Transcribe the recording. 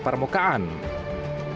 kepala kapal selam kri nanggala